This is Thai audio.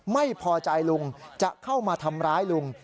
ไม่พอใจลุงจะเข้ามาทำร้ายลุง